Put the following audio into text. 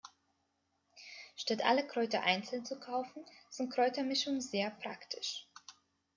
Statt alle Kräuter einzeln zu kaufen, sind Kräutermischungen sehr praktisch.